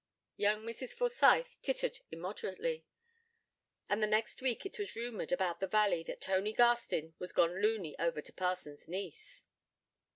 Young Mrs. Forsyth tittered immoderately, and the next week it was rumoured about the valley that 'Tony Garstin was gone luny over t' parson's niece.'